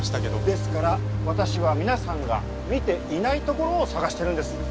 ですから私は皆さんが見ていない所を捜してるんです。